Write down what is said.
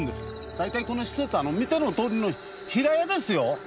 大体この施設はあの見てのとおりの平屋ですよ。